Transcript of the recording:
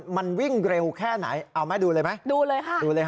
มันวิ่งเร็วแค่ไหนเอาไหมดูเลยไหมดูเลยค่ะดูเลยค่ะ